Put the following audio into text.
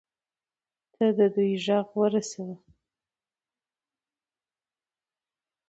ته د دوى غږ ورسوي.